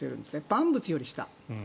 万物より下。